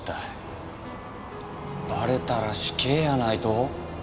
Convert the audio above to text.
バレたら死刑やないと？